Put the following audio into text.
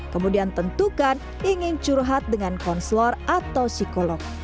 kemudian tentukan ingin curhat dengan konslor atau psikolog